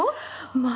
まあ！